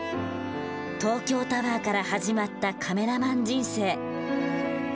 東京タワーから始まったカメラマン人生。